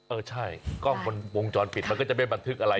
เออใช่กล้องวงจรปิดมันก็จะไม่บันทึกอะไร